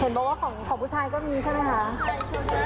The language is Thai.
เห็นปะว่าของผู้ชายก็มีใช่มั้ยคะ